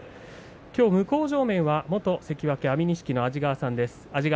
きょう向正面は元関脇安美錦の安治川さんです。